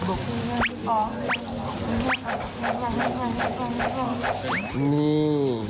โหกสูงเนินอ๋อนั่งนี่